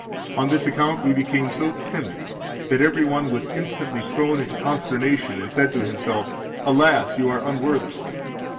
On this account we became so timid that every one was instantly thrown into consternation and said to himself: Alas! you are unworthy!